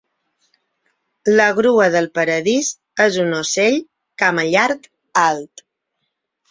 La grua del paradís és un ocell camallarg alt.